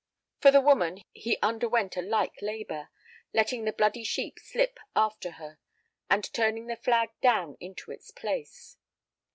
For the woman he underwent a like labor, letting the bloody sheet slip after her, and turning the flag down into its place.